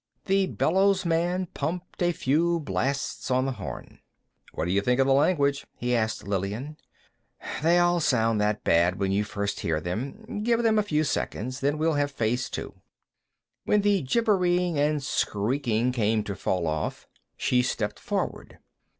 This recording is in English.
The bellowsman pumped a few blasts on the horn. "What do you think of the language?" he asked Lillian. "They all sound that bad, when you first hear them. Give them a few seconds, and then we'll have Phase Two." When the gibbering and skreeking began to fall off, she stepped forward.